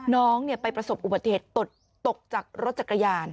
น้องไปประสบอุบัติเหตุตกจากรถจักรยาน